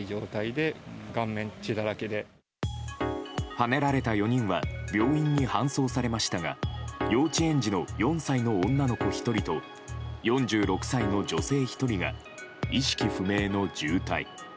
はねられた４人は病院に搬送されましたが幼稚園児の４歳の女の子１人と４６歳の女性１人が意識不明の重体。